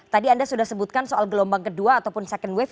tadi anda sudah sebutkan soal gelombang kedua ataupun second wave